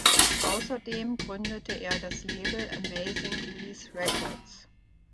Außerdem gründete er das Label "Amazing Grease Records".